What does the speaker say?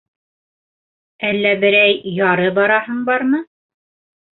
Әллә берәй-яры бараһың бармы?